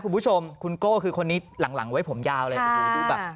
คุณโกโฌคือคนนี้หลังไว้ผมยาวอะไร